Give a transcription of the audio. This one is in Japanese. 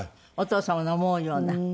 お父様の思うような。